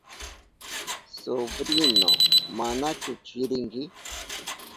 Suprinu, ¿manachu chirinki?